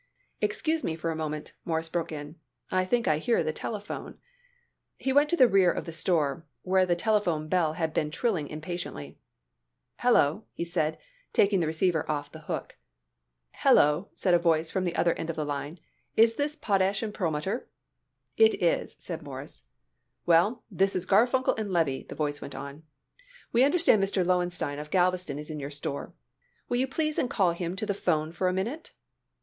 "Excuse me for a moment," Morris broke in, "I think I hear the telephone." He walked to the rear of the store, where the telephone bell had been trilling impatiently. "Hello," he said, taking the receiver off the hook. "Hello," said a voice from the other end of the line. "Is this Potash & Perlmutter?" "It is," said Morris. "Well, this is Garfunkel & Levy," the voice went on. "We understand Mr. Lowenstein, of Galveston, is in your store. Will you please and call him to the 'phone for a minute?"